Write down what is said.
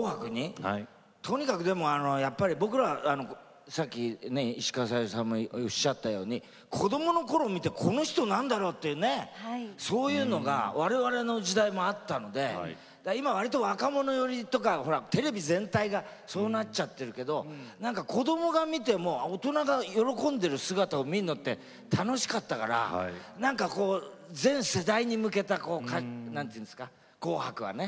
とにかく、やっぱり僕らは、さっき石川さゆりさんもおっしゃったように子どものころ見てこの人なんだろうってそういうのが我々の時代もあったので今わりと若者寄りとかテレビ全体がそうなっちゃっているけれど子どもが見ても、大人が喜んでいる姿を見るのって楽しかったから全世代に向けた「紅白」はね